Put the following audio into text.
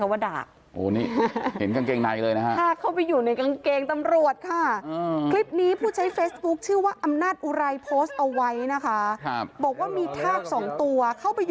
ว้าวนี่เห็นกางเกงในเลยนะค่ะ